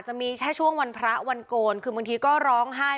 จะมีแค่ช่วงวันพระวันโกนคือบางทีก็ร้องไห้